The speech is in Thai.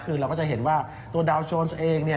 คือเราก็จะเห็นว่าตัวดาวโจรสเองเนี่ย